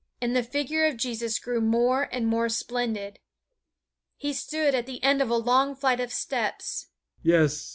And the figure of Jesus grew more and more splendid. He stood at the end of a long flight of steps. "Yes!